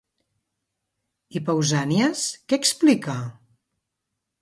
I Pausànies, què explica?